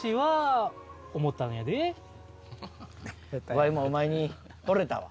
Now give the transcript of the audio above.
ワイもお前にほれたわ。